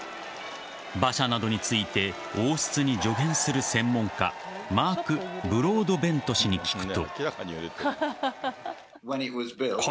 馬車などについて王室に助言する専門家マーク・ブロードベント氏に聞くと。